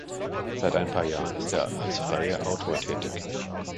Seit ein paar Jahren ist er als freier Autor tätig.